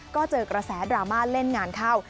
ก็เจอกระแสดราม่าเล่นงานเข้า